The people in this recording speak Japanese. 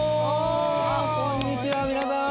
こんにちは皆さん！